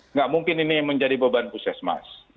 nggak mungkin ini menjadi beban puskesmas